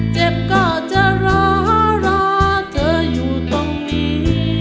เจ็บก็จะรอรอเธออยู่ตรงนี้